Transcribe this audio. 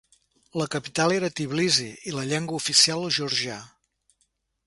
La capital era Tbilisi i la llengua oficial el georgià.